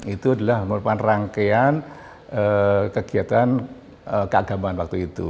itu adalah merupakan rangkaian kegiatan keagamaan waktu itu